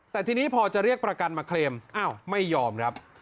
แต่ทีนี้พอจะเรียกประกันมาเคลมอ้าวไม่ยอมครับ